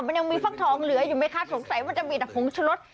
มันยังมีฟักทองเหลืออยู่ไหมคะสงสัยมันจะมีแต่ผงชะลด